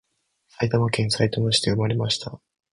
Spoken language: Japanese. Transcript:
埼玉県さいたま市で産まれました